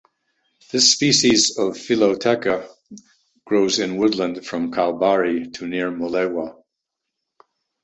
This species of philotheca grows in woodland from Kalbarri to near Mullewa.